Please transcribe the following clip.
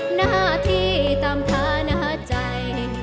หน้าที่ตามฐานาใจ